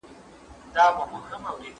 که قران وي نو لاره نه غلطیږي.